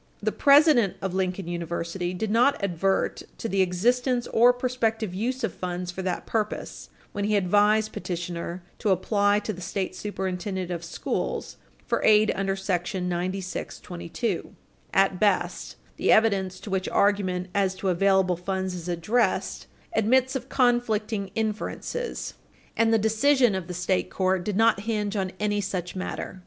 The president of Lincoln University did not advert to the existence or prospective use of funds for that purpose when he advised petitioner to apply to the State Superintendent of Schools for aid under § 9622. At best, the evidence to which argument as to available funds is addressed admits of conflicting inferences, and the decision of the state court did not hinge on any such matter.